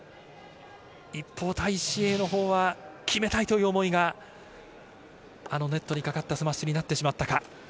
一方、タイ・シエイは決めたいという思いが、ネットにかかったスマッシュになってしまったか。